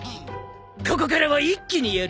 ここからは一気にやるぞ！